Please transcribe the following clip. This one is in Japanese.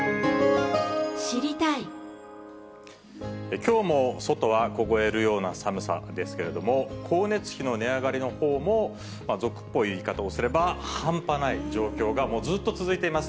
きょうも外は凍えるような寒さですけれども、光熱費の値上がりのほうも、俗っぽい言い方をすれば、半端ない状況が、もうずっと続いています。